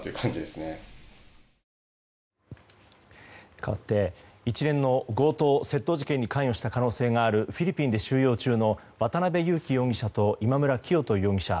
かわって一連の強盗・窃盗事件に関与した可能性があるフィリピンで収容中の渡邉優樹容疑者と今村磨人容疑者。